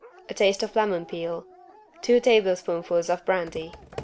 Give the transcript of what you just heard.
A taste of lemon peel. Two tablespoonfuls of brandy.